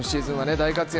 大活躍